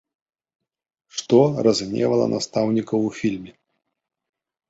Што разгневала настаўнікаў у фільме?